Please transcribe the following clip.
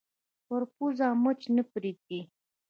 پر پزه مچ نه پرېږدي